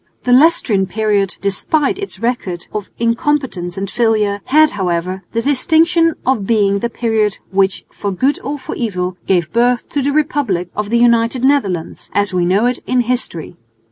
The Leicestrian period, despite its record of incompetence and failure, had however the distinction of being the period which for good or for evil gave birth to the republic of the United Netherlands, as we know it in history.